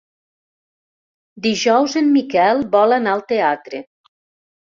Dijous en Miquel vol anar al teatre.